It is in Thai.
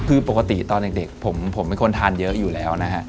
คือปกติตอนเด็กผมเป็นคนทานเยอะอยู่แล้วนะฮะ